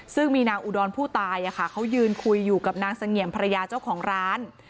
ซึ่งมีนางอุดรผู้ตายเขายืนคุยอยู่กับนางเสงี่ยมภรรยาเจ้าของร้าน